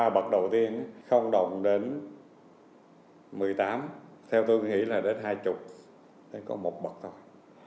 ba bậc đầu tiên không đồng đến một mươi tám theo tôi nghĩ là đến hai mươi thì có một bậc thôi